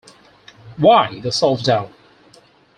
Why the self-doubt?